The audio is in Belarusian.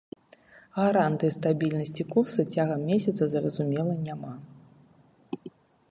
Гарантый стабільнасці курса цягам месяца, зразумела, няма.